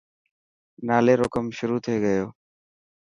نالي رو ڪم شروع ٿي گيو.